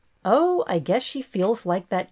" Oh, I guess she feels like that —